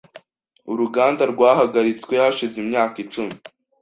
Uruganda rwahagaritswe hashize imyaka icumi .